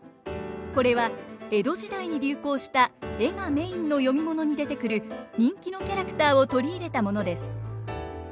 これは江戸時代に流行した絵がメインの読み物に出てくる人気のキャラクターを取り入れたものです。